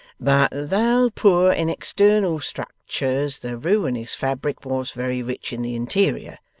'"But though poor in external structure, the ruinous fabric was very rich in the interior.